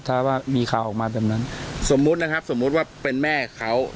ถ้าว่ามีข่าวออกมาแบบนั้นสมมุตินะครับสมมุติว่าเป็นแม่เขา